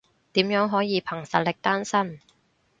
點樣可以憑實力單身？